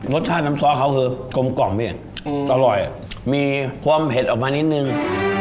รสชาติน้ำซอสเขาคือกลมกล่อมพี่อร่อยมีความเผ็ดออกมานิดนึง